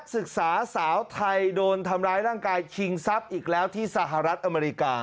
ศึกษาสาวไทยโดนทำร้ายร่างกายชิงทรัพย์อีกแล้วที่สหรัฐอเมริกา